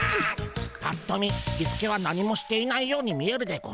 ぱっと見キスケは何もしていないように見えるでゴンスが。